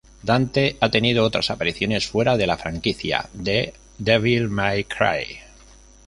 Dante ha tenido otras apariciones fuera de la franquicia de "Devil May Cry".